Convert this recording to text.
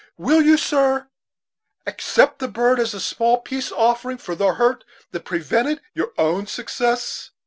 Will you, sir, accept the bird as a small peace offering for the hurt that prevented your own success?"